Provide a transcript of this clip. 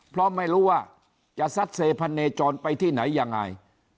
เพราะไม่รู้ว่าจะซัดเซพันเนจรไปที่ไหนยังไง